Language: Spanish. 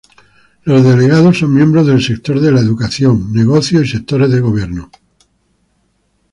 Los delegados son miembros del sector de la educación, negocio y sectores de gobierno.